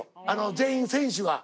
全員選手が。